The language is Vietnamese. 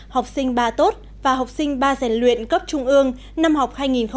học sinh ba tốt và học sinh ba giải luyện cấp trung ương năm học hai nghìn một mươi tám hai nghìn một mươi chín